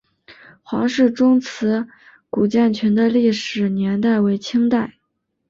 黄氏宗祠古建群的历史年代为清代。